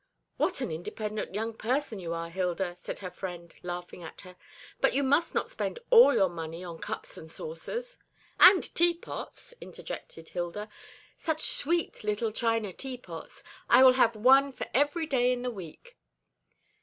"What an independent young person you are, Hilda!" said her friend, laughing at her; "but you must not spend all your money on cups and saucers " "And teapots!" interjected Hilda "such sweet little china teapots. I will have one for every day in the week."